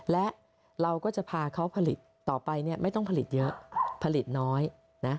และเราก็จะพาเขาผลิตต่อไปเนี่ยไม่ต้องผลิตเยอะผลิตน้อยนะ